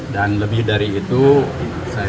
dan lebih dari itu saya yakin ke depan kita bangsa indonesia